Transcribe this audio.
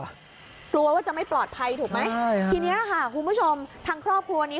กลัวว่าจะไม่ปลอดภัยถูกไหมใช่ทีนี้ค่ะคุณผู้ชมทางครอบครัวนี้